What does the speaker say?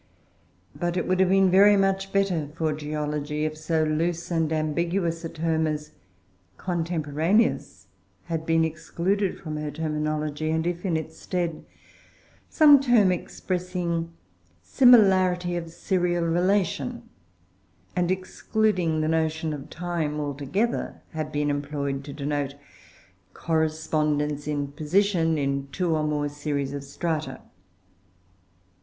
But it would have been very much better for geology if so loose and ambiguous a word as "contemporaneous" had been excluded from her terminology, and if, in its stead, some term expressing similarity of serial relation, and excluding the notion of time altogether, had been employed to denote correspondence in position in two or more series of strata.